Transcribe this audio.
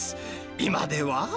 今では。